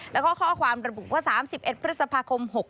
แล้วก็ข้อความระบุว่า๓๑พฤษภาคม๖๖